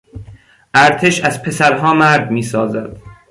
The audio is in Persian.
ارتش از پسرها مرد میسازد.